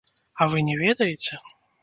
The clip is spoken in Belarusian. А вы не ведаеце?!